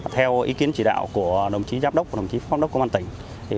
theo ý kiến chỉ đạo của đồng chí giám đốc và đồng chí pháp đốc công an tỉnh